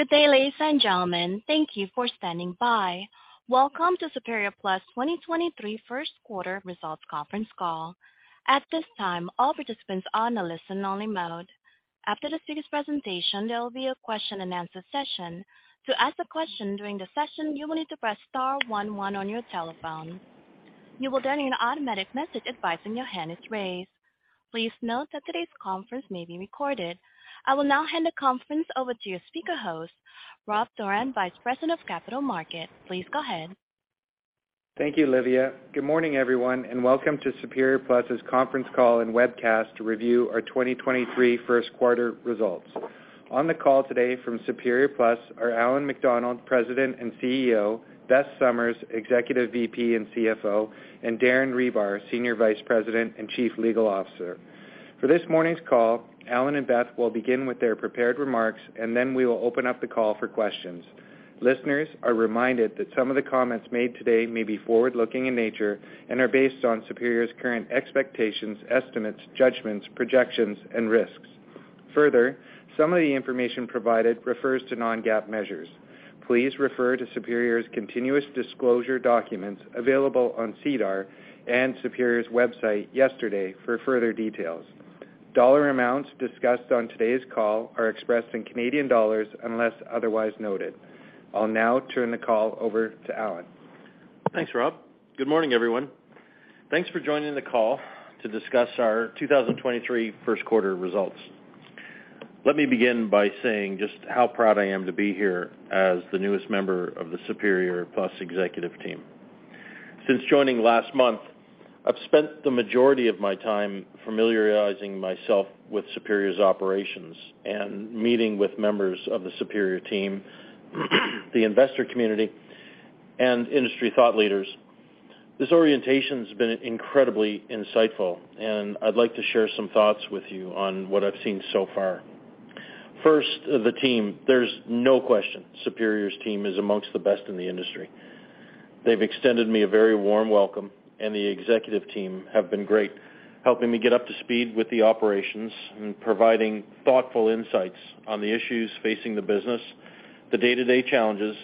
Good day, ladies and gentlemen. Thank you for standing by. Welcome to Superior Plus 2023 Q1 results conference call. At this time, all participants are on a listen only mode. After today's presentation, there will be a question-and-answer session. To ask a question during the session, you will need to press star one one on your telephone. You will then hear an automatic message advising your hand is raised. Please note that today's conference may be recorded. I will now hand the conference over to your speaker host, Rob Dorran, Vice President of Capital Markets. Please go ahead. Thank you, Olivia. Good morning, everyone, and welcome to Superior Plus's conference call and webcast to review our 2023 Q1 results. On the call today from Superior Plus are Allan MacDonald, President and CEO, Beth Summers, Executive VP and CFO, and Darren Hribar, Senior Vice President and Chief Legal Officer. For this morning's call, Allan and Beth will begin with their prepared remarks, and then we will open up the call for questions. Listeners are reminded that some of the comments made today may be forward-looking in nature and are based on Superior's current expectations, estimates, judgments, projections, and risks. Further, some of the information provided refers to non-GAAP measures. Please refer to Superior's continuous disclosure documents available on SEDAR and Superior's website yesterday for further details. Dollar amounts discussed on today's call are expressed in Canadian dollars unless otherwise noted. I'll now turn the call over to Allan. Thanks, Rob. Good morning, everyone. Thanks for joining the call to discuss our 2023 Q1 results. Let me begin by saying just how proud I am to be here as the newest member of the Superior Plus executive team. Since joining last month, I've spent the majority of my time familiarizing myself with Superior's operations and meeting with members of the Superior team, the investor community, and industry thought leaders. This orientation's been incredibly insightful, and I'd like to share some thoughts with you on what I've seen so far. First, the team. There's no question Superior's team is amongst the best in the industry. They've extended me a very warm welcome, and the executive team have been great, helping me get up to speed with the operations and providing thoughtful insights on the issues facing the business, the day-to-day challenges,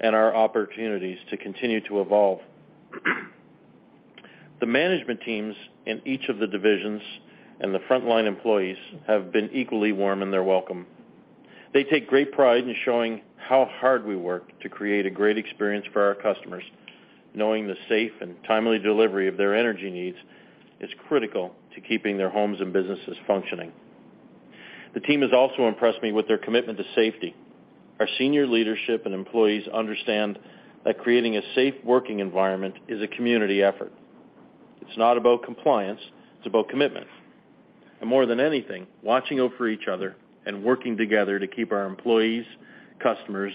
and our opportunities to continue to evolve. The management teams in each of the divisions and the frontline employees have been equally warm in their welcome. They take great pride in showing how hard we work to create a great experience for our customers, knowing the safe and timely delivery of their energy needs is critical to keeping their homes and businesses functioning. The team has also impressed me with their commitment to safety. Our senior leadership and employees understand that creating a safe working environment is a community effort. It's not about compliance, it's about commitment. More than anything, watching out for each other and working together to keep our employees, customers,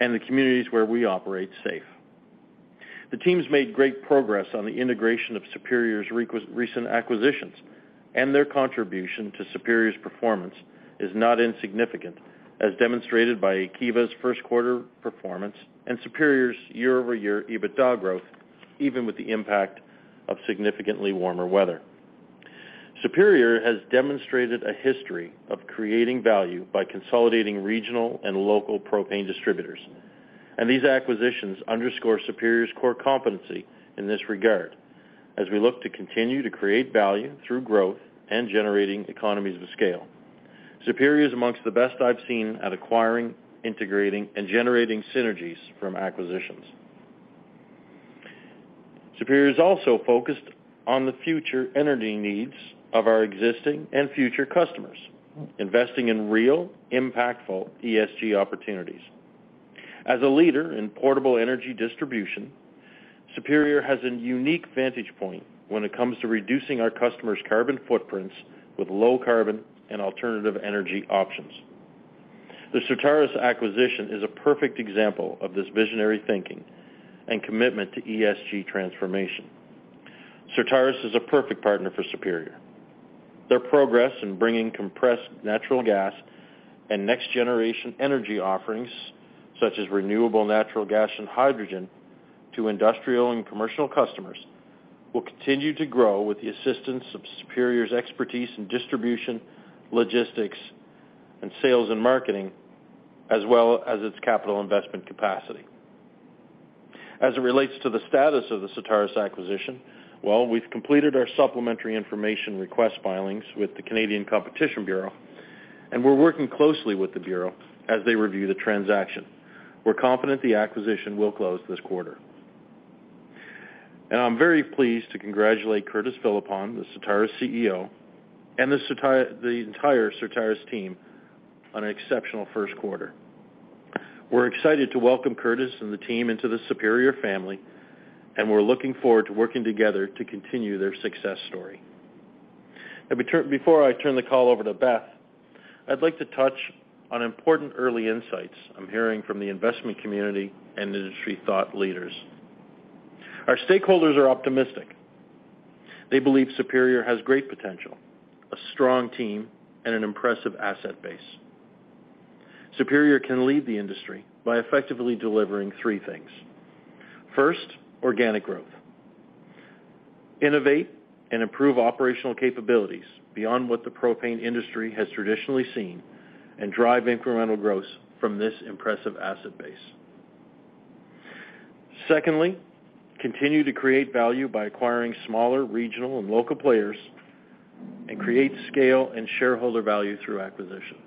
and the communities where we operate safe. The team's made great progress on the integration of Superior's recent acquisitions, and their contribution to Superior's performance is not insignificant, as demonstrated by Kiva's Q1 performance and Superior's year-over-year EBITDA growth, even with the impact of significantly warmer weather. Superior has demonstrated a history of creating value by consolidating regional and local propane distributors. These acquisitions underscore Superior's core competency in this regard as we look to continue to create value through growth and generating economies of scale. Superior is amongst the best I've seen at acquiring, integrating, and generating synergies from acquisitions. Superior is also focused on the future energy needs of our existing and future customers, investing in real, impactful ESG opportunities. As a leader in portable energy distribution, Superior has a unique vantage point when it comes to reducing our customers' carbon footprints with low carbon and alternative energy options. The Certarus acquisition is a perfect example of this visionary thinking and commitment to ESG transformation. Certarus is a perfect partner for Superior. Their progress in bringing compressed natural gas and next generation energy offerings, such as renewable natural gas and hydrogen to industrial and commercial customers will continue to grow with the assistance of Superior's expertise in distribution, logistics, and sales and marketing, as well as its capital investment capacity. As it relates to the status of the Certarus acquisition, well, we've completed our Supplementary Information Request filings with the Canadian Competition Bureau, and we're working closely with the Bureau as they review the transaction. We're confident the acquisition will close this quarter. I'm very pleased to congratulate Curtis Philippon, the Certarus CEO, and the entire Certarus team on an exceptional Q1. We're excited to welcome Curtis and the team into the Superior family, and we're looking forward to working together to continue their success story. Before I turn the call over to Beth, I'd like to touch on important early insights I'm hearing from the investment community and industry thought leaders. Our stakeholders are optimistic. They believe Superior has great potential, a strong team, and an impressive asset base. Superior can lead the industry by effectively delivering three things. First, organic growth. Innovate and improve operational capabilities beyond what the propane industry has traditionally seen and drive incremental growth from this impressive asset base. Secondly, continue to create value by acquiring smaller regional and local players and create scale and shareholder value through acquisition.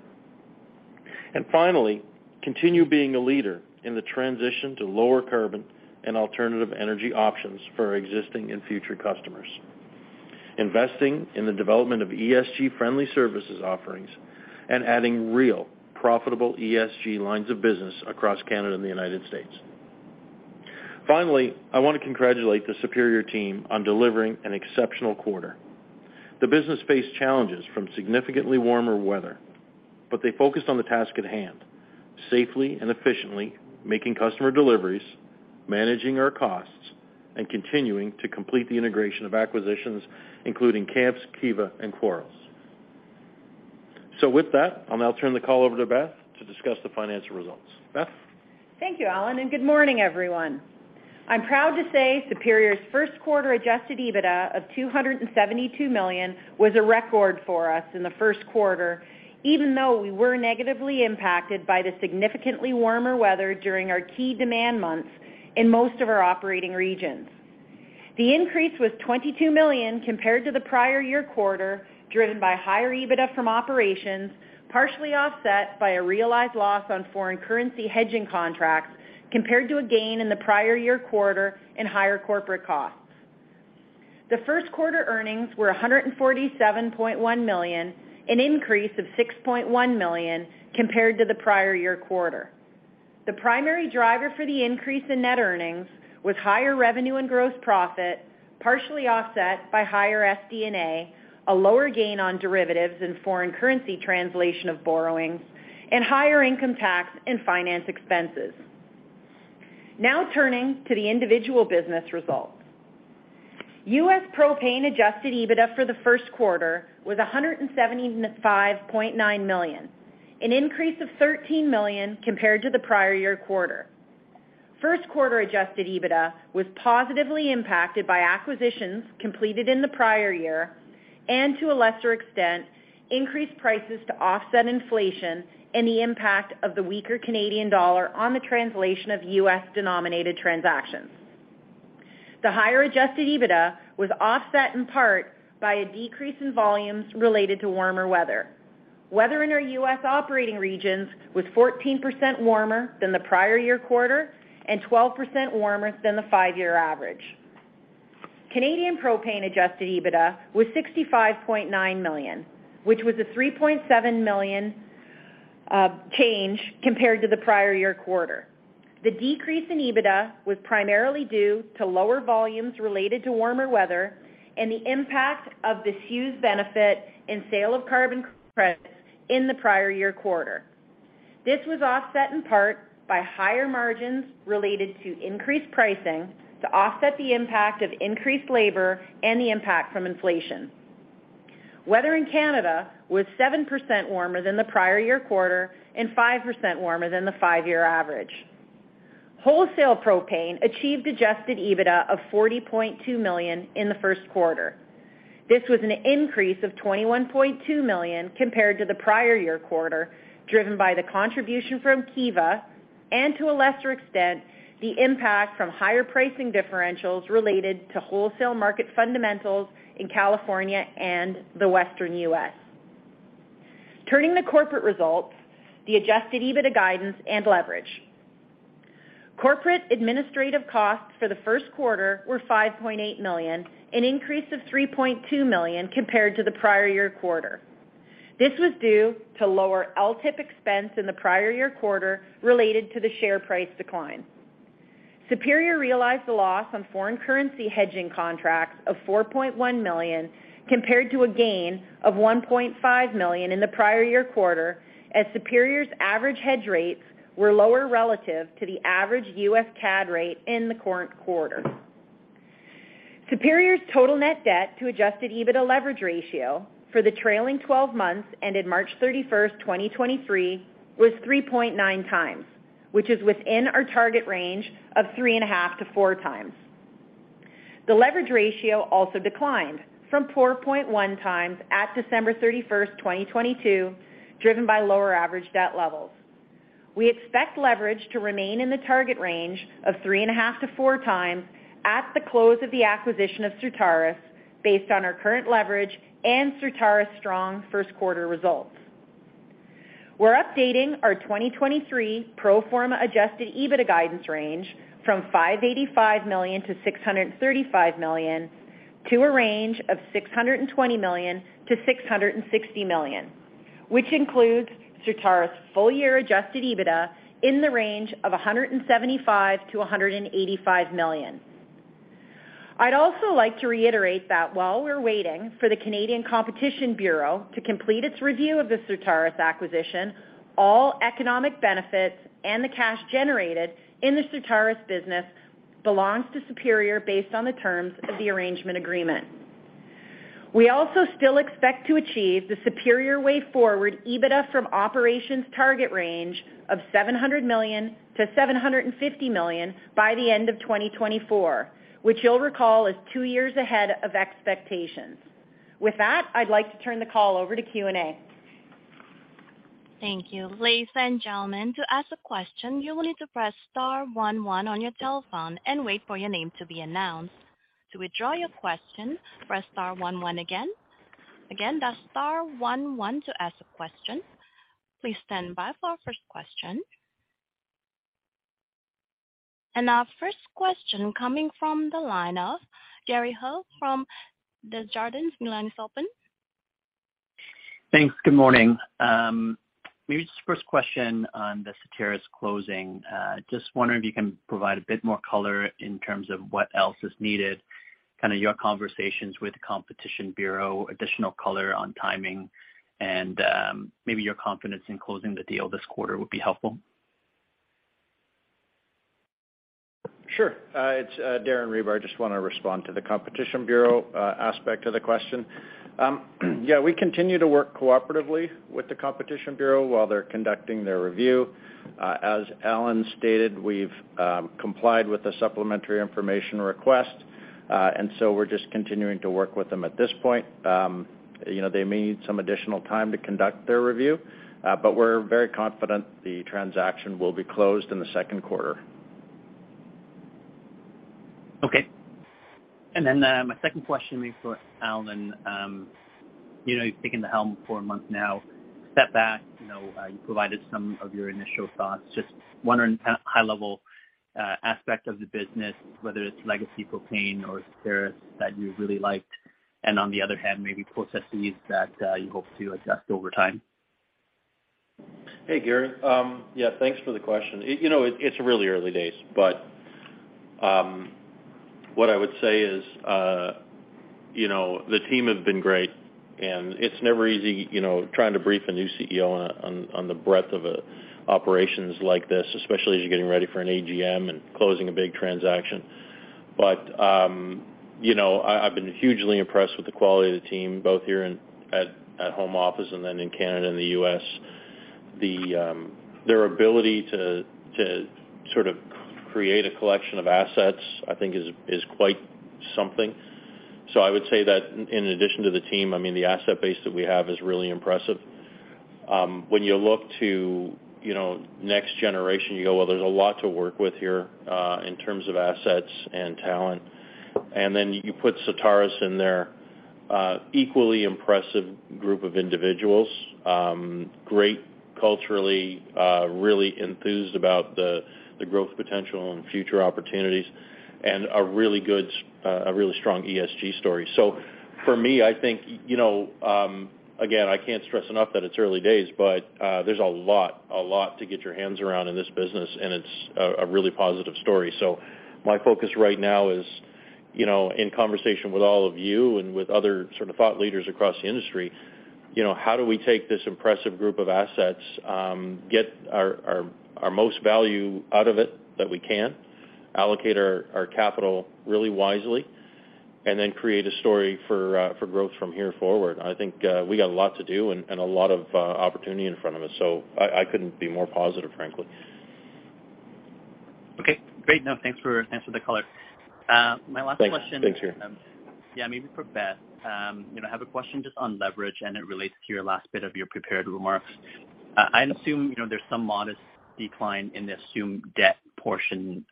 Finally, continue being a leader in the transition to lower carbon and alternative energy options for our existing and future customers. Investing in the development of ESG friendly services offerings and adding real profitable ESG lines of business across Canada and the United States. Finally, I wanna congratulate the Superior team on delivering an exceptional quarter. The business faced challenges from significantly warmer weather, but they focused on the task at hand, safely and efficiently making customer deliveries, managing our costs, and continuing to complete the integration of acquisitions, including Kamps, Kiva and Quarles. With that, I'll now turn the call over to Beth to discuss the financial results. Beth. Thank you, Allan. Good morning, everyone. I'm proud to say Superior's Q1 adjusted EBITDA of 272 million was a record for us in the Q1, even though we were negatively impacted by the significantly warmer weather during our key demand months in most of our operating regions. The increase was 22 million compared to the prior year quarter, driven by higher EBITDA from operations, partially offset by a realized loss on foreign currency hedging contracts, compared to a gain in the prior year quarter in higher corporate costs. The Q1 earnings were 147.1 million, an increase of 6.1 million compared to the prior year quarter. The primary driver for the increase in net earnings was higher revenue and gross profit, partially offset by higher SG&A, a lower gain on derivatives and foreign currency translation of borrowings, and higher income tax and finance expenses. Turning to the individual business results. U.S. propane adjusted EBITDA for the Q1 was $175.9 million, an increase of $13 million compared to the prior year quarter. Q1 adjusted EBITDA was positively impacted by acquisitions completed in the prior year and to a lesser extent, increased prices to offset inflation and the impact of the weaker Canadian dollar on the translation of U.S. denominated transactions. The higher adjusted EBITDA was offset in part by a decrease in volumes related to warmer weather. Weather in our U.S. operating regions was 14% warmer than the prior year quarter and 12% warmer than the five-year average. Canadian propane adjusted EBITDA was 65.9 million, which was a 3.7 million change compared to the prior year quarter. The decrease in EBITDA was primarily due to lower volumes related to warmer weather and the impact of the Hughes benefit in sale of carbon credits in the prior year quarter. This was offset in part by higher margins related to increased pricing to offset the impact of increased labor and the impact from inflation. Weather in Canada was 7% warmer than the prior year quarter and 5% warmer than the five-year average. Wholesale propane achieved adjusted EBITDA of 40.2 million in the Q1. This was an increase of 21.2 million compared to the prior year quarter, driven by the contribution from Kiva, and to a lesser extent, the impact from higher pricing differentials related to wholesale market fundamentals in California and the Western US. Turning to corporate results, the adjusted EBITDA guidance and leverage. Corporate administrative costs for the Q1 were 5.8 million, an increase of 3.2 million compared to the prior year quarter. This was due to lower LTIP expense in the prior year quarter related to the share price decline. Superior realized a loss on foreign currency hedging contracts of 4.1 million, compared to a gain of 1.5 million in the prior year quarter, as Superior's average hedge rates were lower relative to the average US CAD rate in the current quarter. Superior's total net debt to adjusted EBITDA leverage ratio for the trailing 12 months ended March 31st, 2023, was 3.9 times, which is within our target range of 3.5-4 times. The leverage ratio also declined from 4.1 times at December 31st, 2022, driven by lower average debt levels. We expect leverage to remain in the target range of 3.5-4 times at the close of the acquisition of Certarus, based on our current leverage and Certarus strong 1st quarter results. We're updating our 2023 pro forma adjusted EBITDA guidance range from 585 million-635 million to a range of 620 million-660 million, which includes Certarus full year adjusted EBITDA in the range of 175 million-185 million. I'd also like to reiterate that while we're waiting for the Canadian Competition Bureau to complete its review of the Certarus acquisition, all economic benefits and the cash generated in the Certarus business belongs to Superior based on the terms of the arrangement agreement. We also still expect to achieve the Superior Way Forward EBITDA from operations target range of 700 million-750 million by the end of 2024, which you'll recall is two years ahead of expectations. With that, I'd like to turn the call over to Q&A. Thank you. Ladies and gentlemen, to ask a question, you will need to press star one one on your telephone and wait for your name to be announced. To withdraw your question, press star one one again. Again, that's star one one to ask a question. Please stand by for our first question. Our first question coming from the line of Gary Ho from Desjardins. Your line is open. Thanks. Good morning. Maybe just first question on the Certarus closing. Just wondering if you can provide a bit more color in terms of what else is needed, kinda your conversations with Competition Bureau, additional color on timing, and maybe your confidence in closing the deal this quarter would be helpful. Sure. It's Darren Hribar. I just wanna respond to the Competition Bureau aspect of the question. Yeah, we continue to work cooperatively with the Competition Bureau while they're conducting their review. As Allan stated, we've complied with the Supplementary Information Request, and so we're just continuing to work with them at this point. You know, they may need some additional time to conduct their review, but we're very confident the transaction will be closed in the second quarter. Okay. My second question maybe for Alan. You know, you've taken the helm for a month now. Step back, you know, you provided some of your initial thoughts. Just wondering, kind of high level, aspect of the business, whether it's legacy propane or Certarus that you really liked, and on the other hand, maybe processes that you hope to adjust over time. Hey, Gary. Thanks for the question. You know, it's really early days, what I would say is, you know, the team has been great, and it's never easy, you know, trying to brief a new CEO on the breadth of operations like this, especially as you're getting ready for an AGM and closing a big transaction. You know, I've been hugely impressed with the quality of the team, both here at home office and then in Canada and the U.S. Their ability to sort of create a collection of assets, I think, is quite something. I would say that in addition to the team, I mean, the asset base that we have is really impressive. When you look to, you know, next generation, you go, there's a lot to work with here, in terms of assets and talent. You put Certarus in there, equally impressive group of individuals, great culturally, really enthused about the growth potential and future opportunities, and a really strong ESG story. For me, I think, you know, again, I can't stress enough that it's early days, but, there's a lot, a lot to get your hands around in this business, and it's a really positive story. My focus right now is, you know, in conversation with all of you and with other sort of thought leaders across the industry, you know, how do we take this impressive group of assets, get our most value out of it that we can, allocate our capital really wisely, and then create a story for growth from here forward. I think, we got a lot to do and a lot of opportunity in front of us, I couldn't be more positive, frankly. Okay. Great. No, thanks for the color. my last question- Thanks. Thanks, Gary. Yeah, maybe for Beth. You know, I have a question just on leverage, and it relates to your last bit of your prepared remarks. I assume, you know, there's some modest decline in the assumed debt portion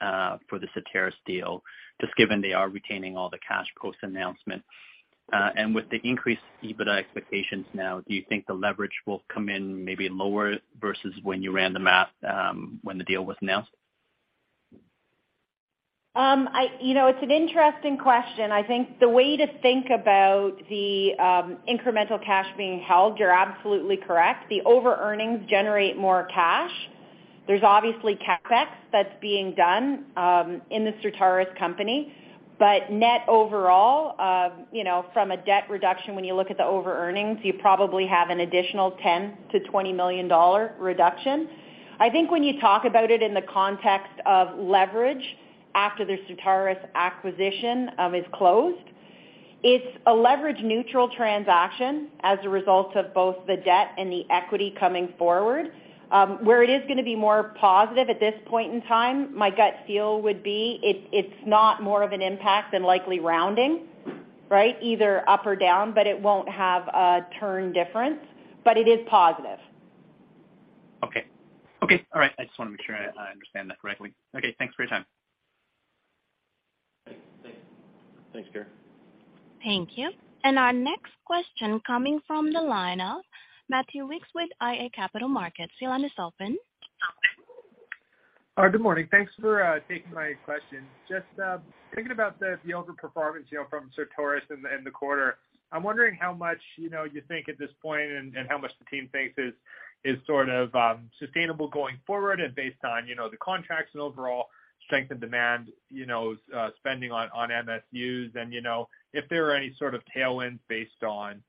for the Certarus deal, just given they are retaining all the cash post-announcement. With the increased EBITDA expectations now, do you think the leverage will come in maybe lower versus when you ran the math when the deal was announced? You know, it's an interesting question. I think the way to think about the incremental cash being held, you're absolutely correct. The over-earnings generate more cash. There's obviously CapEx that's being done in the Certarus company. Net overall, you know, from a debt reduction, when you look at the over-earnings, you probably have an additional 10 million-20 million dollar reduction. I think when you talk about it in the context of leverage after the Certarus acquisition is closed, it's a leverage-neutral transaction as a result of both the debt and the equity coming forward. Where it is gonna be more positive at this point in time, my gut feel would be it's not more of an impact than likely rounding, right? Either up or down, but it won't have a turn difference. It is positive. Okay. Okay, all right. I just wanna make sure I understand that correctly. Okay, thanks for your time. Thanks. Thanks, Gary. Thank you. Our next question coming from the line of Matthew Weekes with iA Capital Markets. Your line is open. Good morning. Thanks for taking my question. Just thinking about the overperformance, you know, from Certarus in the quarter, I'm wondering how much, you know, you think at this point and how much the team thinks is sort of sustainable going forward and based on, you know, the contracts and overall strength and demand, spending on MSUs and, you know, if there are any sort of tailwinds based on, you know,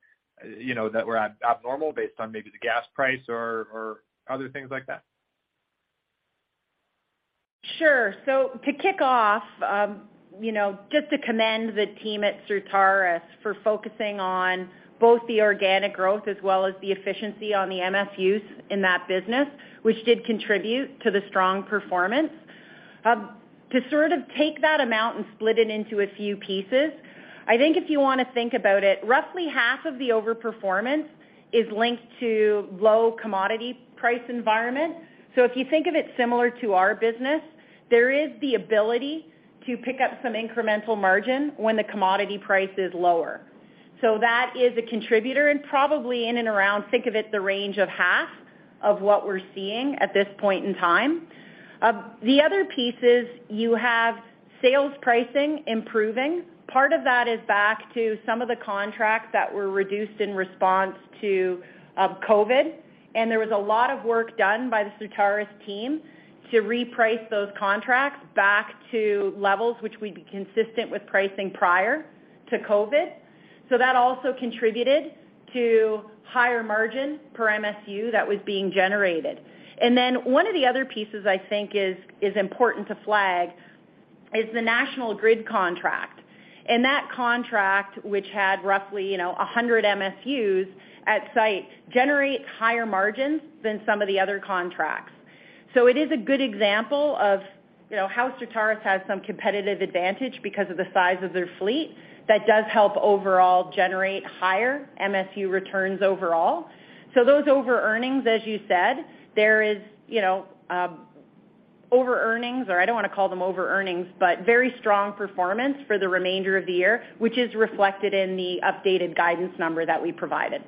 that were abnormal based on maybe the gas price or other things like that? Sure. To kick off, you know, just to commend the team at Certarus for focusing on both the organic growth as well as the efficiency on the MSUs in that business, which did contribute to the strong performance. To sort of take that amount and split it into a few pieces, I think if you wanna think about it, roughly half of the over-performance is linked to low commodity price environment. If you think of it similar to our business, there is the ability to pick up some incremental margin when the commodity price is lower. That is a contributor and probably in and around, think of it, the range of half of what we're seeing at this point in time. The other piece is you have sales pricing improving. Part of that is back to some of the contracts that were reduced in response to COVID. There was a lot of work done by the Certarus team to reprice those contracts back to levels which would be consistent with pricing prior to COVID. That also contributed to higher margin per MSU that was being generated. One of the other pieces I think is important to flag is the National Grid contract. That contract, which had roughly, you know, 100 MSUs at site, generates higher margins than some of the other contracts. It is a good example of, you know, how Certarus has some competitive advantage because of the size of their fleet that does help overall generate higher MSU returns overall. Those over-earnings, as you said, there is, you know, over-earnings or I don't wanna call them over-earnings, but very strong performance for the remainder of the year, which is reflected in the updated guidance number that we provided.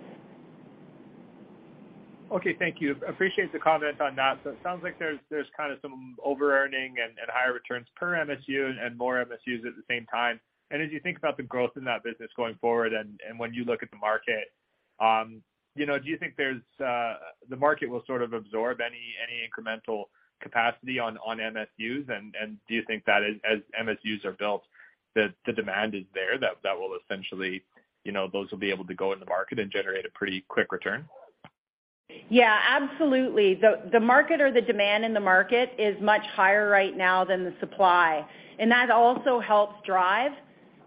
Okay, thank you. Appreciate the comment on that. It sounds like there's kind of some over-earning and higher returns per MSU and more MSUs at the same time. As you think about the growth in that business going forward, and when you look at the market, you know, do you think there's the market will sort of absorb any incremental capacity on MSUs? Do you think that as MSUs are built, the demand is there, that will essentially, you know, those will be able to go in the market and generate a pretty quick return? Yeah, absolutely. The market or the demand in the market is much higher right now than the supply. That also helps drive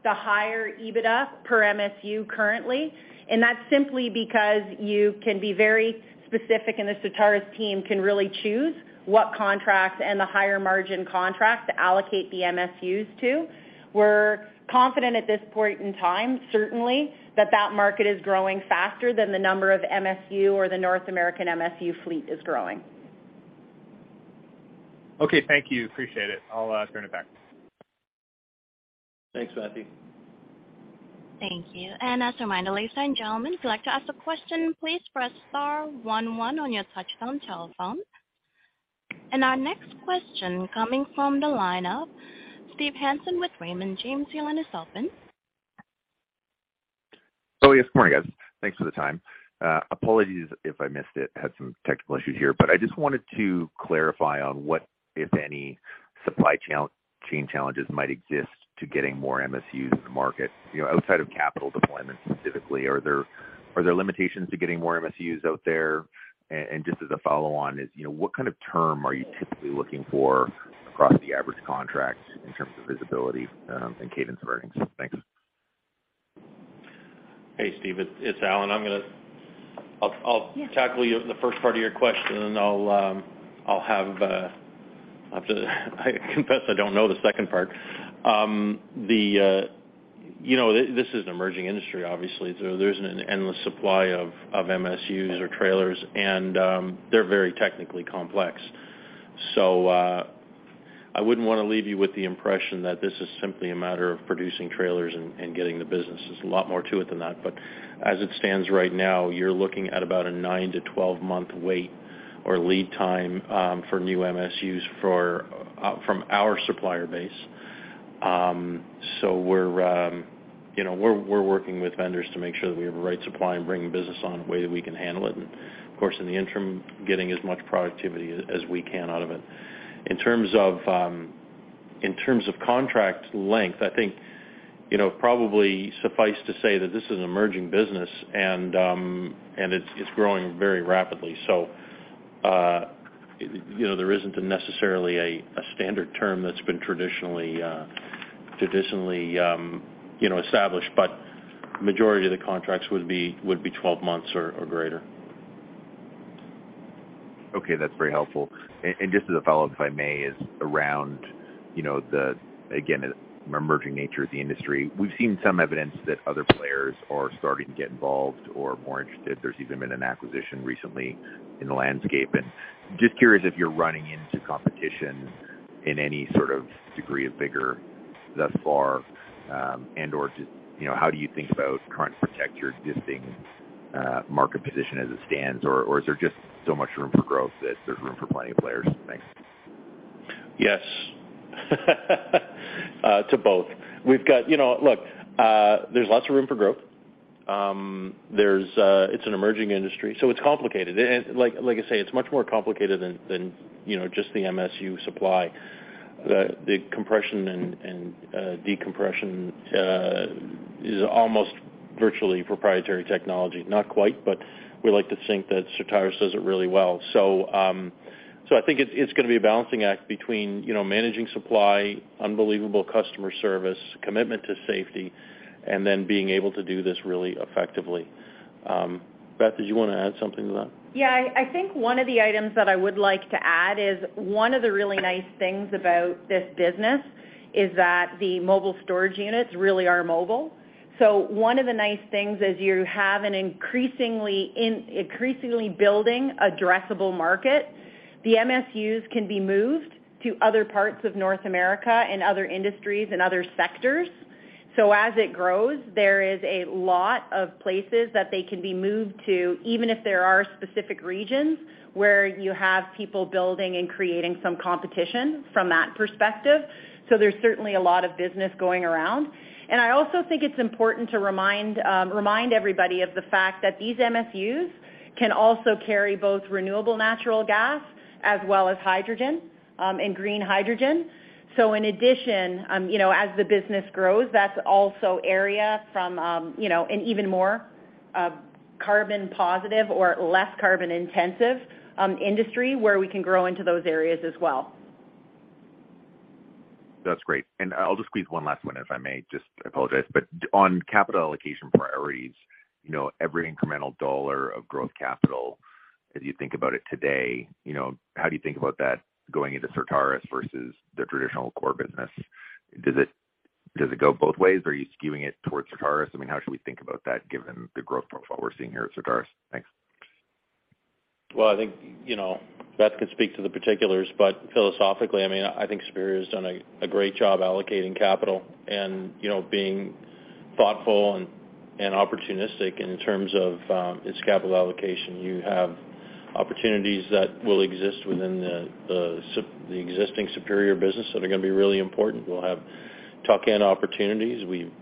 the higher EBITDA per MSU currently. That's simply because you can be very specific, and the Certarus team can really choose what contracts and the higher margin contracts to allocate the MSUs to. We're confident at this point in time, certainly, that that market is growing faster than the number of MSU or the North American MSU fleet is growing. Okay, thank you. Appreciate it. I'll turn it back. Thanks, Matthew. Thank you. As a reminder, ladies and gentlemen, if you'd like to ask a question, please press star 11 on your touch tone telephone. Our next question coming from the line of Steve Hansen with Raymond James. Your line is open. Oh, yes. Morning, guys. Thanks for the time. Apologies if I missed it, had some technical issues here. I just wanted to clarify on what, if any, supply chain challenges might exist to getting more MSUs in the market, you know, outside of capital deployment specifically. Are there limitations to getting more MSUs out there? Just as a follow-on is, you know, what kind of term are you typically looking for across the average contract in terms of visibility, and cadence of earnings? Thanks. Hey, Steve. It's Allan. I'll tackle you the first part of your question, and I'll have to I confess I don't know the second part. The, you know, this is an emerging industry, obviously. There isn't an endless supply of MSUs or trailers and, they're very technically complex. I wouldn't wanna leave you with the impression that this is simply a matter of producing trailers and getting the business. There's a lot more to it than that. As it stands right now, you're looking at about a 9-12 month wait or lead time, for new MSUs from our supplier base. We're, you know, we're working with vendors to make sure that we have the right supply and bringing business on in a way that we can handle it. Of course, in the interim, getting as much productivity as we can out of it. In terms of contract length, I think, you know, probably suffice to say that this is an emerging business and it's growing very rapidly. You know, there isn't necessarily a standard term that's been traditionally, you know, established, but majority of the contracts would be 12 months or greater. Okay. That's very helpful. Just as a follow-up, if I may, is around, you know, the, again, emerging nature of the industry. We've seen some evidence that other players are starting to get involved or more interested. There's even been an acquisition recently in the landscape. Just curious if you're running into competition in any sort of degree of vigor thus far, and/or just, you know, how do you think about trying to protect your existing market position as it stands? Or is there just so much room for growth that there's room for plenty of players? Thanks. To both. We've got... You know, look, there's lots of room for growth. There's, it's an emerging industry, so it's complicated. Like I say, it's much more complicated than, you know, just the MSU supply. The compression and decompression is almost-virtually proprietary technology. Not quite, we like to think that Certarus does it really well. I think it's gonna be a balancing act between, you know, managing supply, unbelievable customer service, commitment to safety, and then being able to do this really effectively. Beth, did you wanna add something to that? I think one of the items that I would like to add is one of the really nice things about this business is that the mobile storage units really are mobile. One of the nice things is you have an increasingly building addressable market. The MSUs can be moved to other parts of North America and other industries and other sectors. As it grows, there is a lot of places that they can be moved to, even if there are specific regions where you have people building and creating some competition from that perspective. There's certainly a lot of business going around. I also think it's important to remind everybody of the fact that these MSUs can also carry both renewable natural gas as well as hydrogen and green hydrogen. In addition, you know, as the business grows, that's also area from, you know, an even more carbon positive or less carbon-intensive industry where we can grow into those areas as well. That's great. I'll just squeeze one last one if I may. Just I apologize, but on capital allocation priorities, you know, every incremental dollar of growth capital, as you think about it today, you know, how do you think about that going into Certarus versus the traditional core business? Does it go both ways? Are you skewing it towards Certarus? I mean, how should we think about that given the growth profile we're seeing here at Certarus? Thanks. Well, I think, you know, Beth could speak to the particulars, but philosophically, I mean, I think Superior has done a great job allocating capital and, you know, being thoughtful and opportunistic in terms of its capital allocation. You have opportunities that will exist within the existing Superior business that are going to be really important. We'll have tuck-in opportunities. We've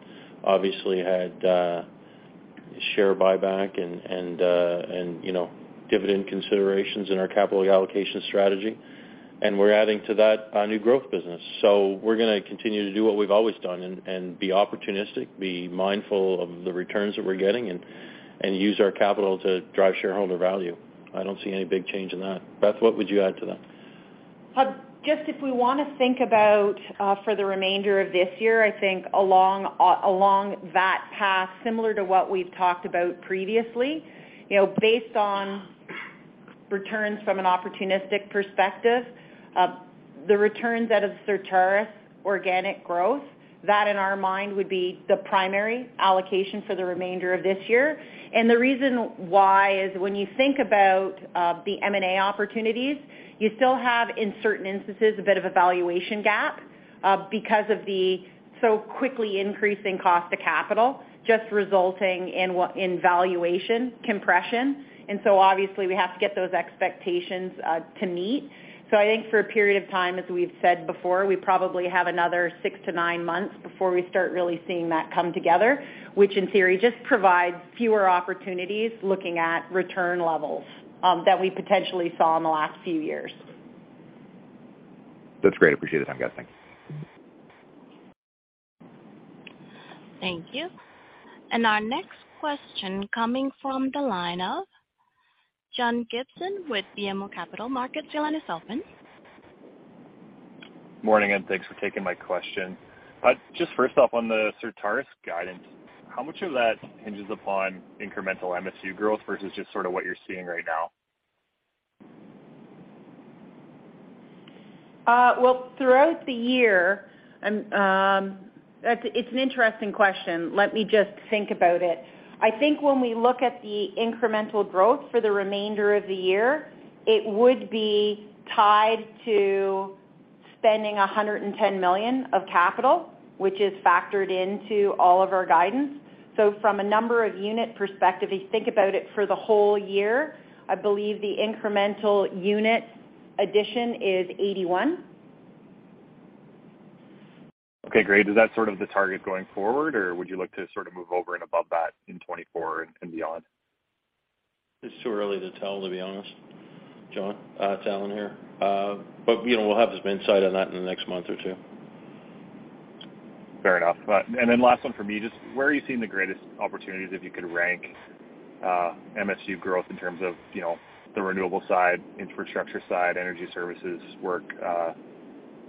obviously had share buyback and, you know, dividend considerations in our capital allocation strategy, and we're adding to that our new growth business. We're going to continue to do what we've always done and be opportunistic, be mindful of the returns that we're getting and use our capital to drive shareholder value. I don't see any big change in that. Beth, what would you add to that? Just if we want to think about for the remainder of this year, I think along along that path, similar to what we've talked about previously, you know, based on returns from an opportunistic perspective, the returns out of Certarus organic growth, that in our mind would be the primary allocation for the remainder of this year. The reason why is when you think about the M&A opportunities, you still have, in certain instances, a bit of a valuation gap because of the so quickly increasing cost of capital just resulting in in valuation compression. Obviously, we have to get those expectations to meet. I think for a period of time, as we've said before, we probably have another six to nine months before we start really seeing that come together, which in theory just provides fewer opportunities looking at return levels that we potentially saw in the last few years. That's great. Appreciate the time, guys. Thank you. Thank you. Our next question coming from the line of John Gibson with BMO Capital Markets. Your line is open. Morning, thanks for taking my question. Just first off on the Certarus guidance, how much of that hinges upon incremental MSU growth versus just sort of what you're seeing right now? well, throughout the year. It's an interesting question. Let me just think about it. I think when we look at the incremental growth for the remainder of the year, it would be tied to spending 110 million of capital, which is factored into all of our guidance. From a number of unit perspective, if you think about it for the whole year, I believe the incremental unit addition is 81. Okay, great. Is that sort of the target going forward, or would you look to sort of move over and above that in 2024 and beyond? It's too early to tell, to be honest, John. It's Allan here. You know, we'll have some insight on that in the next month or two. Fair enough. Last one for me, just where are you seeing the greatest opportunities if you could rank MSU growth in terms of, you know, the renewable side, infrastructure side, energy services work?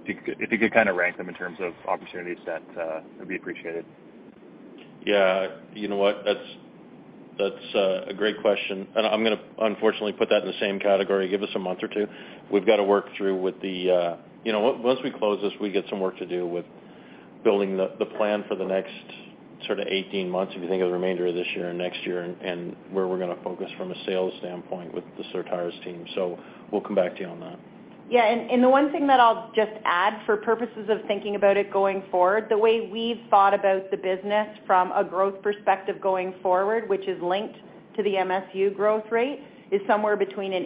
If you could kinda rank them in terms of opportunities set, that'd be appreciated. You know what? That's, that's a great question, and I'm gonna unfortunately put that in the same category. Give us a month or two. We've got to work through with the, you know, once we close this, we get some work to do with building the plan for the next sorta 18 months, if you think of the remainder of this year and next year and where we're gonna focus from a sales standpoint with the Certarus team. We'll come back to you on that. The one thing that I'll just add for purposes of thinking about it going forward, the way we've thought about the business from a growth perspective going forward, which is linked to the MSU growth rate, is somewhere between an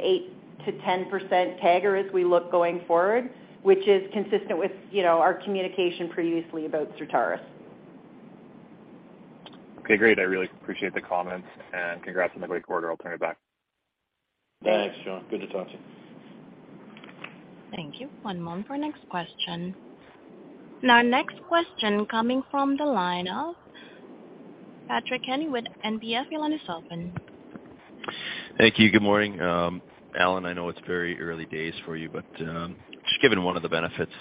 8%-10% CAGR as we look going forward, which is consistent with, you know, our communication previously about Certarus. Okay, great. I really appreciate the comments, and congrats on the great quarter. I'll turn it back. Thanks, John. Good to talk to you. Thank you. One moment for next question. Next question coming from the line of Patrick Kenny with NBF. Your line is open. Thank you. Good morning. Allan, I know it's very early days for you, but, just given one of the benefits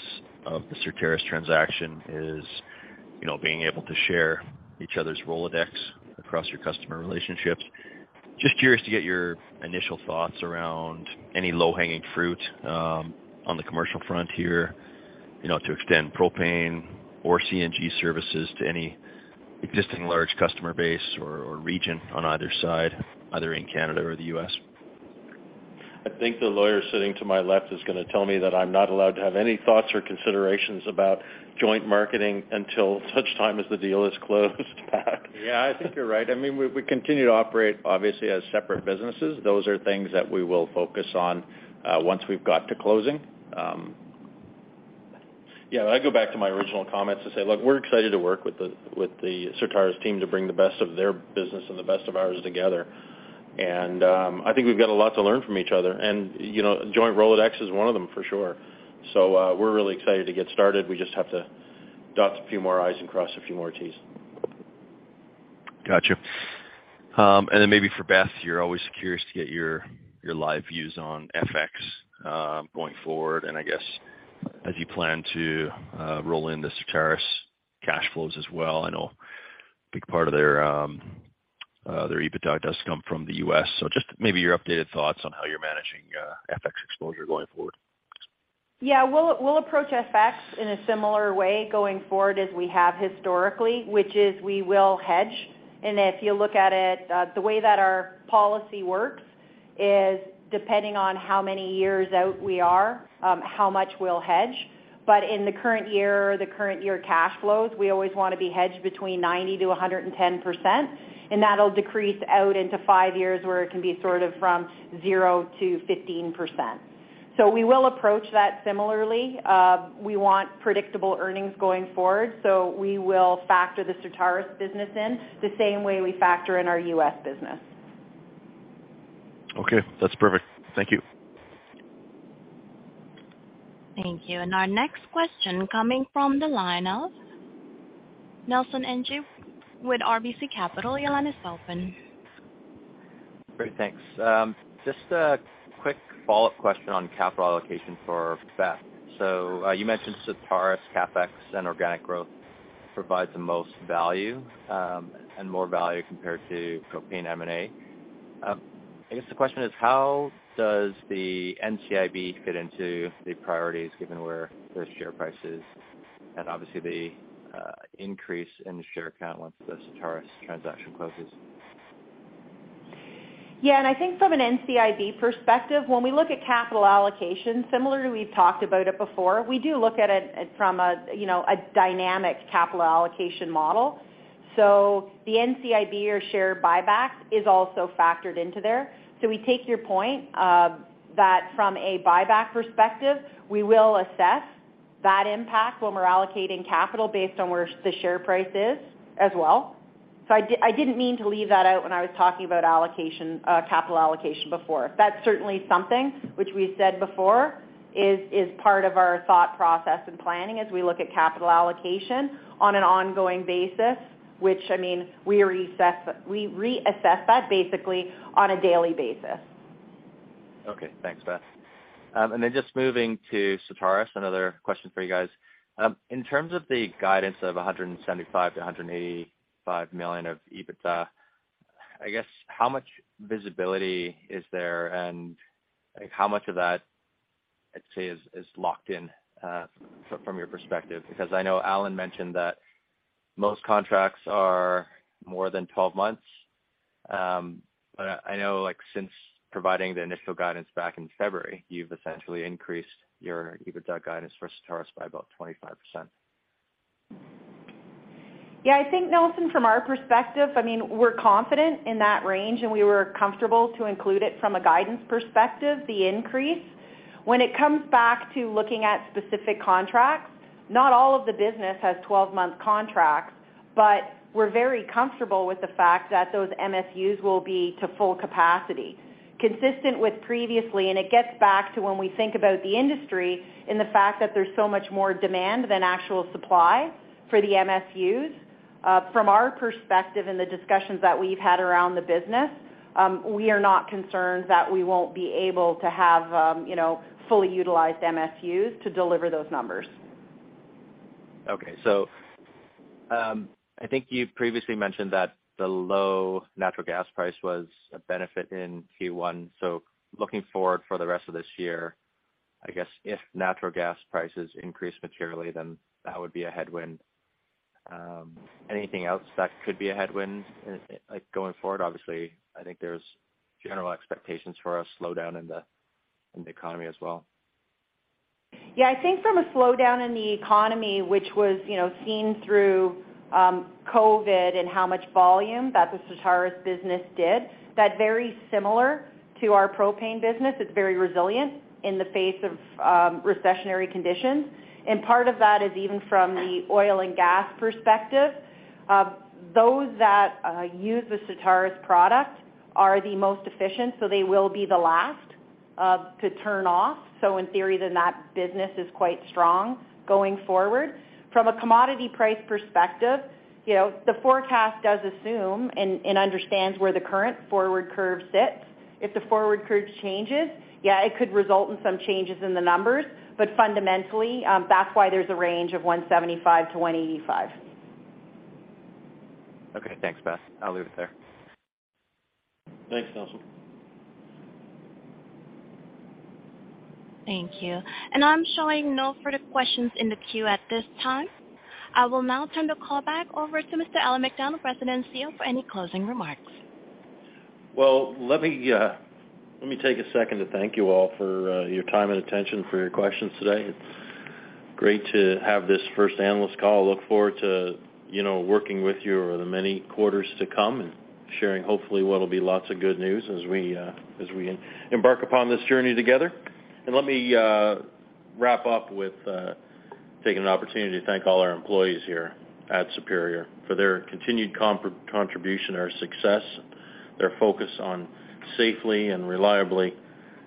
of the Certarus transaction is, you know, being able to share each other's Rolodex across your customer relationships. Just curious to get your initial thoughts around any low-hanging fruit, on the commercial front here, you know, to extend propane or CNG services to any existing large customer base or region on either side, either in Canada or the U.S. I think the lawyer sitting to my left is gonna tell me that I'm not allowed to have any thoughts or considerations about joint marketing until such time as the deal is closed. I mean, we continue to operate obviously as separate businesses. Those are things that we will focus on once we've got to closing. Yeah, I go back to my original comments to say, look, we're excited to work with the Certarus team to bring the best of their business and the best of ours together. I think we've got a lot to learn from each other. You know, joint Rolodex is one of them for sure. We're really excited to get started. We just have to dot a few more I's and cross a few more T's. Gotcha. Maybe for Beth, you're always curious to get your live views on FX going forward. I guess as you plan to roll in the Certarus cash flows as well, I know a big part of their EBITDA does come from the US. Just maybe your updated thoughts on how you're managing FX exposure going forward. Yeah. We'll approach FX in a similar way going forward as we have historically, which is we will hedge. If you look at it, the way that our policy works is depending on how many years out we are, how much we'll hedge. In the current year, the current year cash flows, we always wanna be hedged between 90%-110%, and that'll decrease out into 5 years, where it can be sort of from 0%-15%. We will approach that similarly. We want predictable earnings going forward, so we will factor the Certarus business in the same way we factor in our U.S. business. Okay, that's perfect. Thank you. Thank you. Our next question coming from the line of Nelson Ng with RBC Capital Markets. Your line is open. Great, thanks. Just a quick follow-up question on capital allocation for Beth Summers. You mentioned Certarus CapEx and organic growth provides the most value, and more value compared to propane M&A. I guess the question is: How does the NCIB fit into the priorities given where the share price is and obviously the increase in the share count once the Certarus transaction closes? I think from an NCIB perspective, when we look at capital allocation, similarly, we've talked about it before, we do look at it from a, you know, a dynamic capital allocation model. The NCIB or share buyback is also factored into there. We take your point that from a buyback perspective, we will assess that impact when we're allocating capital based on where the share price is as well. I didn't mean to leave that out when I was talking about allocation, capital allocation before. That's certainly something which we've said before is part of our thought process and planning as we look at capital allocation on an ongoing basis, which I mean, we reassess that basically on a daily basis. Okay. Thanks, Beth Summers. Just moving to Certarus, another question for you guys. In terms of the guidance of 175 million-185 million of EBITDA, I guess how much visibility is there and how much of that I'd say is locked in from your perspective? I know Allan MacDonald mentioned that most contracts are more than 12 months. I know like since providing the initial guidance back in February, you've essentially increased your EBITDA guidance for Certarus by about 25%. I think, Nelson, from our perspective, I mean, we're confident in that range, and we were comfortable to include it from a guidance perspective, the increase. When it comes back to looking at specific contracts, not all of the business has 12-month contracts. We're very comfortable with the fact that those MSUs will be to full capacity. Consistent with previously, it gets back to when we think about the industry and the fact that there's so much more demand than actual supply for the MSUs. From our perspective and the discussions that we've had around the business, we are not concerned that we won't be able to have, you know, fully utilized MSUs to deliver those numbers. I think you previously mentioned that the low natural gas price was a benefit in Q1. Looking forward for the rest of this year, I guess if natural gas prices increase materially, then that would be a headwind. Anything else that could be a headwind, like, going forward? Obviously, I think there's general expectations for a slowdown in the economy as well. Yeah, I think from a slowdown in the economy, which was, you know, seen through COVID and how much volume that the Certarus business did, that very similar to our propane business. It's very resilient in the face of recessionary conditions. Part of that is even from the oil and gas perspective. Those that use the Certarus product are the most efficient, they will be the last to turn off. In theory, that business is quite strong going forward. From a commodity price perspective, you know, the forecast does assume and understands where the current forward curve sits. If the forward curve changes, yeah, it could result in some changes in the numbers. Fundamentally, that's why there's a range of $175 million-$185 million. Okay. Thanks, Beth. I'll leave it there. Thanks, Nelson. Thank you. I'm showing no further questions in the queue at this time. I will now turn the call back over to Mr. Allan MacDonald, President and CEO, for any closing remarks. Well, let me, let me take a second to thank you all for your time and attention for your questions today. It's great to have this first analyst call. Look forward to, you know, working with you over the many quarters to come and sharing, hopefully, what will be lots of good news as we, as we embark upon this journey together. Let me wrap up with taking an opportunity to thank all our employees here at Superior Plus for their continued contribution to our success, their focus on safely and reliably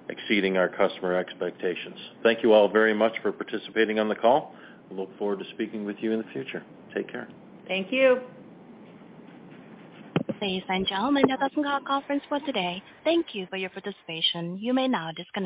exceeding our customer expectations. Thank you all very much for participating on the call. We look forward to speaking with you in the future. Take care. Thank you. Ladies and gentlemen, that concludes our conference for today. Thank you for your participation. You may now disconnect.